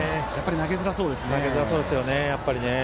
投げづらそうですよね。